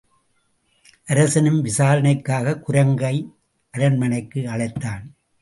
அரசனும் விசாரணைக்காக குரங்கை அரண்மனைக்கு அழைத்தான்.